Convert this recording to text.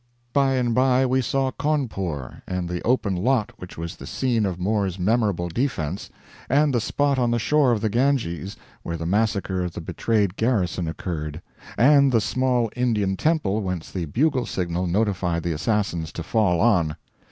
By and by we saw Cawnpore, and the open lot which was the scene of Moore's memorable defense, and the spot on the shore of the Ganges where the massacre of the betrayed garrison occurred, and the small Indian temple whence the bugle signal notified the assassins to fall on.